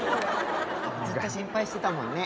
ずっと心配してたもんね。